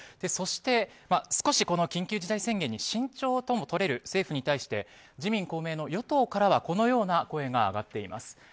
そして、少し緊急事態宣言に慎重ともとれる政府に対して自民・公明の与党からはこのような声が上がっています。